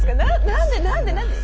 ⁉何で何で何で？